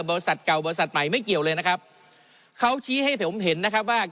บริษัทเก่าบริษัทใหม่ไม่เกี่ยวเลยนะครับเขาชี้ให้ผมเห็นนะครับว่า